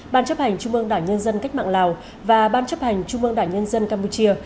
ban chấp hành trung ương đảng nhân dân cách mạng lào và ban chấp hành trung ương đảng nhân dân campuchia